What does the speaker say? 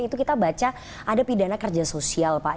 itu kita baca ada pidana kerja sosial pak